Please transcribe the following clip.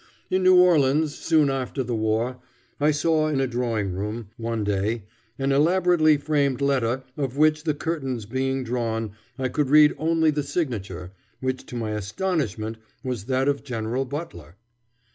In New Orleans, soon after the war, I saw in a drawing room, one day, an elaborately framed letter, of which, the curtains being drawn, I could read only the signature, which to my astonishment was that of General Butler.